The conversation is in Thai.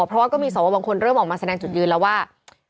เพราะว่าก็มีสวบางคนเริ่มออกมาแสดงจุดยืนแล้วว่า